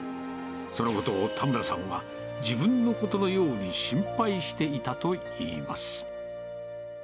そのことを田村さんは、自分のことのように心配していたといいます。